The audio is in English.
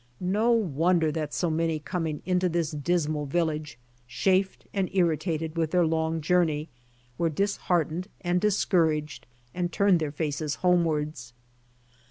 No wonder that so many coming into this dismal village, chafed and irritated with their long journey, were dis heartened and discouraged and turned their faces homewards.